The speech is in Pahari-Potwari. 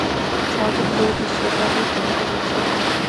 ساجد روز نصرتا لے فون کرنا سا